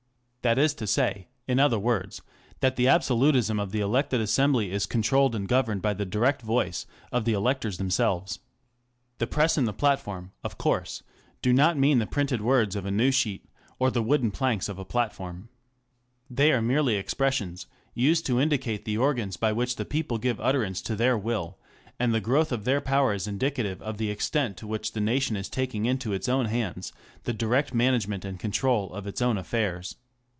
That is to say, in other words, that the absolutism of the elected assembly is controlled and governed by the direct voice of the electors them selves. The Press and the Platform, of course, do not mean the printed words of a news sheet or the wooden planks of a platform. They are merely expressions used to indicate the organs by which the people give utterance to their will, and the growth of their power is indicative of the extent to which the nation is taking into its own hands the direct management and control of its own affairs.